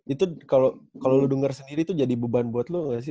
itu kalo lu denger sendiri tuh jadi beban buat lu gak sih